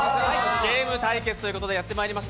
ゲーム対決ということでやってまいりました。